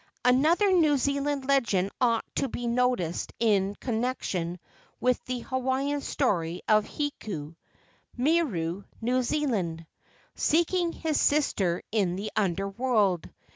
Another New Zealand legend ought to be noticed in con¬ nection with the Hawaiian story of Hiku (Miru, New Zealand) seeking his sister in the Under world.